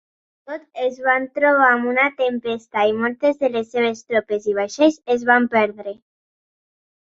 Amb tot, es van trobar amb una tempesta i moltes de les seves tropes i vaixells es van perdre.